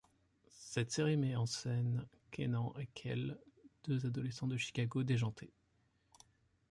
Cette série met en scène Kenan et Kel, deux adolescents de Chicago déjantés.